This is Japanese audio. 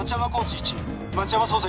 １町山捜査